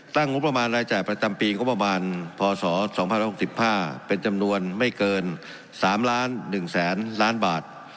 งบประมาณรายจ่ายประจำปีงบประมาณพศ๒๐๖๕เป็นจำนวนไม่เกิน๓ล้าน๑แสนล้านบาท